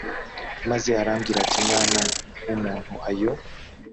maze arambwira ati “mwana w’umuntu ayo…”